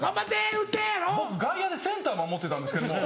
僕外野でセンター守ってたんですけども。